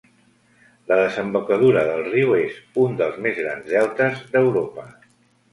La desembocadura del riu és un dels més grans deltes d'Europa.